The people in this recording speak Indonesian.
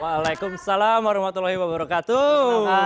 waalaikumsalam warahmatullahi wabarakatuh